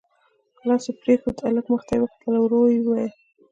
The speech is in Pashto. لاس يې پرېښود، د هلک مخ ته يې وکتل، ورو يې وويل: